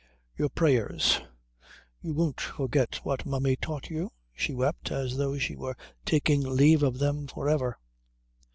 "Your prayers you won't forget what Mummy taught you?" she wept, as though she were taking leave of them for ever.